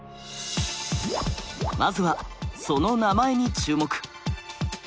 まずはその名前に注目。